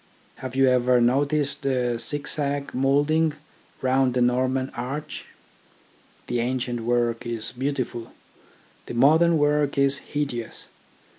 Have you ever noticed the zig zag moulding round a Norman arch ? The ancient work is beautiful, the modern work is hideous.